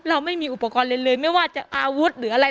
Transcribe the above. เราไม่มีอุปกรณ์อะไรเลยไม่ว่าจะอาวุธหรืออะไร